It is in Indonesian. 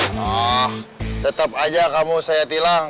ah tetep aja kamu saya tilang